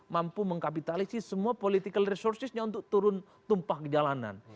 mampu mengkapitalisi semua resursinya untuk turun tumpah ke jalanan